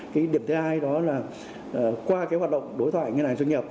cái điểm thứ hai đó là qua cái hoạt động đối thoại ngân hàng doanh nghiệp